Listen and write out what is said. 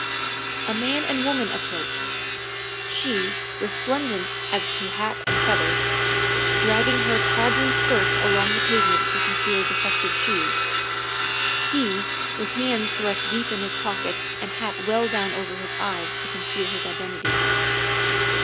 A man and woman approached. She, resplendent as to hat and feathers, dragging her tawdry skirts along the pavement to conceal defective shoes ; he, with hands thrust deep in his pockets and hat well down over his eyes to conceal his identity.